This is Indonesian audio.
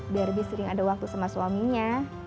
biar lebih sering ada waktu sama suaminya